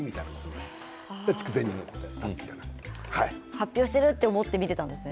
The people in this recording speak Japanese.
発表しているといって見ていたんですか？